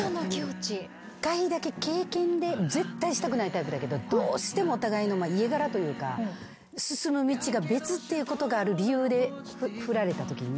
一回だけ経験で絶対したくないタイプだけどどうしてもお互いの家柄というか進む道が別っていうことがある理由で振られたときに。